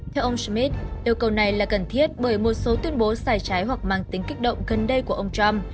theo ông smith yêu cầu này là cần thiết bởi một số tuyên bố sai trái hoặc mang tính kích động gần đây của ông trump